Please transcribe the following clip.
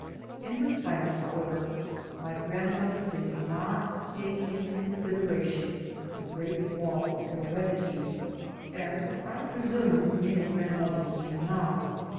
In her plans, however, my grandmother did not take into consideration the great laws of heredity, as I presume many grandmothers do not.